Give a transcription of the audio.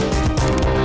nggak akan ngediam nih